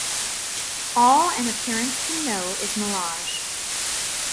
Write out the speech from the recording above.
All an appearance can know is mirage.